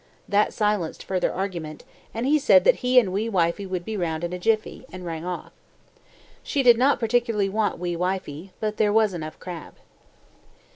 That silenced further argument, and he said that he and wee wifie would be round in a jiffy, and rang off. She did not particularly want wee wifie, but there was enough crab.